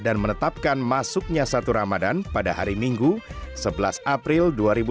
dan menetapkan masuknya satu ramadhan pada hari minggu sebelas april dua ribu dua puluh satu